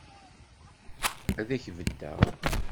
Ad k-beddeɣ.